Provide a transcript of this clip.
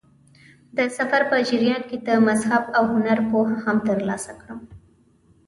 د سفر په جریان کې د مذهب او هنر پوهه هم ترلاسه کړم.